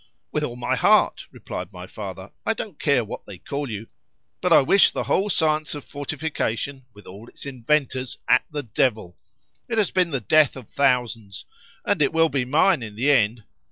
_—With all my heart, replied my father, I don't care what they call you,—but I wish the whole science of fortification, with all its inventors, at the devil;—it has been the death of thousands,—and it will be mine in the end.